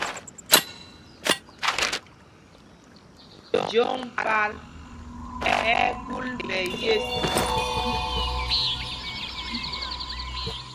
Joŋ pal ɛ́ ɛ́ kúl ɓɛ̌ yes.